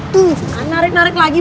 tuh tarik tarik lagi